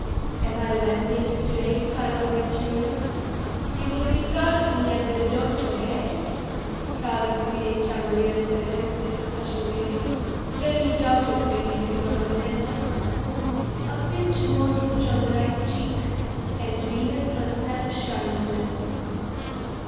Am I well painted to day, 'caro Abate mio'? You will be proud of me at the 'Ridotto', hey? Proud of being 'Cavalier Servente' to such a lady?" "Can you doubt it, 'Bellissima Contessa'? A pinch more rouge on the right cheek, And Venus herself shines less..."